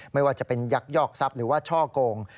ไม่ว่าจะเป็นยักยอกทรัพย์หรือว่าช่อกง